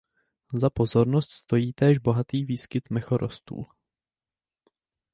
Za pozornost stojí též bohatý výskyt mechorostů.